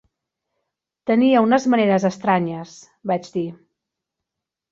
"Tenia unes maneres estranyes", vaig dir.